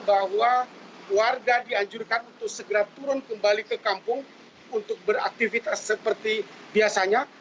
bahwa warga dianjurkan untuk segera turun kembali ke kampung untuk beraktivitas seperti biasanya